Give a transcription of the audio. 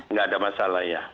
tidak ada masalah ya